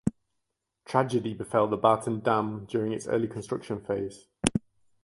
Tragedy befell the Barton Dam during its early construction phase.